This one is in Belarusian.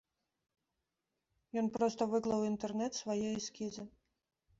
Ён проста выклаў у інтэрнэт свае эскізы.